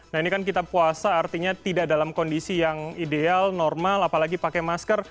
nah ini kan kita puasa artinya tidak dalam kondisi yang ideal normal apalagi pakai masker